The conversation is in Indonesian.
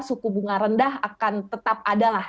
suku bunga rendah akan tetap adalah